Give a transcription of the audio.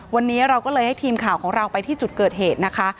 วันนี้เราก็เลยให้ทีมข่าวของเราไปที่จุดเกิดเหตุนะคะ